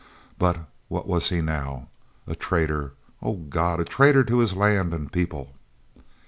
But what was he now? a traitor, oh God! a traitor to his land and people!